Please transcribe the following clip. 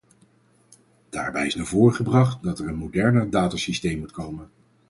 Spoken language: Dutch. Daarbij is naar voren gebracht dat er een moderner datasysteem moet komen.